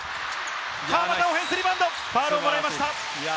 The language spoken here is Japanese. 川真田オフェンスリバウンド、ファウルをもらいました。